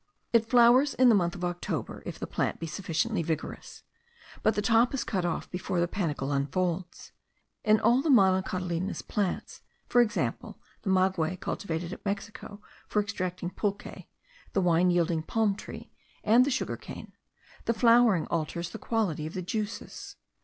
It flowers in the month of October, if the plant be sufficiently vigorous; but the top is cut off before the panicle unfolds. In all the monocotyledonous plants (for example, the maguey cultivated at Mexico for extracting pulque, the wine yielding palm tree, and the sugar cane), the flowering alters the quality of the juices.